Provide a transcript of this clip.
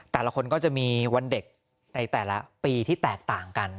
แต่ละคนก็จะมีวันเด็กในแต่ละปีที่แตกต่างกัน